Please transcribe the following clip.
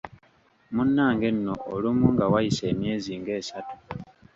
Munnange nno olumu nga wayise emyezi ng'esatu.